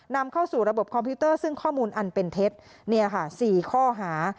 นำเข้าสู่ระบบคอมพิวเตอร์ซึ่งข้อมูลอันเป็นเท็จเนี่ยค่ะ๔ข้อหา